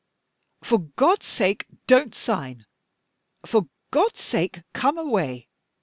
"For God's sake, don't sign! for God's sake, come away!"